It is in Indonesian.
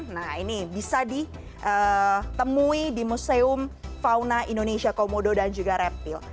nah ini bisa ditemui di museum fauna indonesia komodo dan juga reptil